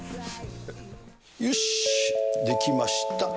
よし、出来ました。